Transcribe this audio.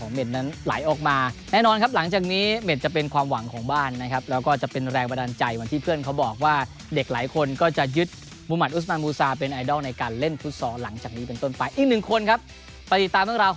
ขอบคุณทุกคนที่คอยสั่งด้านผมขอบคุณทุกคนที่คอยสั่งด้านผมขอบคุณทุกคนที่คอยสั่งด้านผมขอบคุณทุกคนที่คอยสั่งด้านผมขอบคุณทุกคนที่คอยสั่งด้านผมขอบคุณทุกคนที่คอยสั่งด้านผมขอบคุณทุกคนที่คอยสั่งด้านผมขอบคุณทุกคนที่คอยสั่งด้านผมขอบคุณทุกคนที่คอยสั่งด้านผมขอบคุณทุกคนที่คอยสั่งด้านผมข